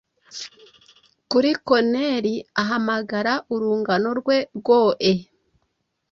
Kuri koneri ahamagara Urungano rwe rwoe